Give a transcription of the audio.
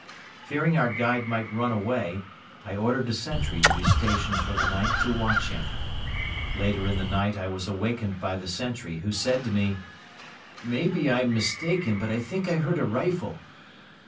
Fearing our guide might run away, I ordered a sentry to be stationed for the night to watch him. Later in the night I was awakened by the sentry, who said to me: "Maybe I am mistaken, but I think I heard a rifle."